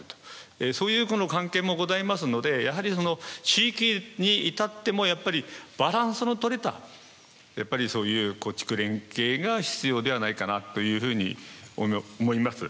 そういう関係もございますのでやはりその地域に至ってもやっぱりバランスのとれたやっぱりそういう耕畜連携が必要ではないかなというふうに思います。